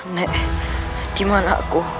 nek dimana aku